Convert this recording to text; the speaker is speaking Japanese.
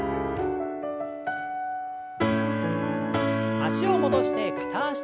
脚を戻して片脚跳び。